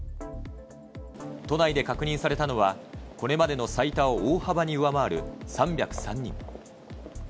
都内で確認されたのは、これまでの最多を大幅に上回る３０３人。